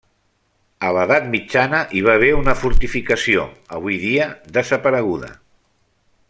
A l'edat mitjana hi va haver una fortificació, avui dia desapareguda.